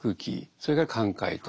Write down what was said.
それから寛解と。